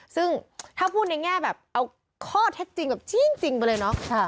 ซึ่งถ้าพูดในแง่แบบเอาข้อเท็จจริงแบบจริงไปเลยเนาะ